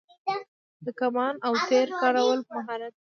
د کمان او تیر کارول مهارت و